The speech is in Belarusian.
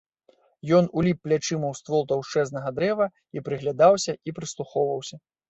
Ён уліп плячыма ў ствол таўшчэзнага дрэва і прыглядаўся, і прыслухоўваўся.